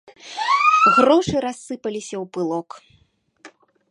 Грошы рассыпаліся ў пылок.